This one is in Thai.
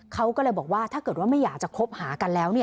เขาก็เลยบอกว่าถ้าเกิดว่าไม่อยากจะคบหากันแล้ว